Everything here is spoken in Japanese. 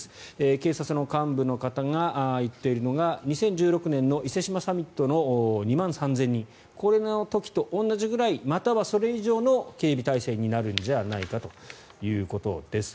警察の幹部の方が言っているのが２０１６年の伊勢志摩サミットの時の２万３０００人この時と同じくらいまたはそれ以上の警備体制になるんじゃないかということです。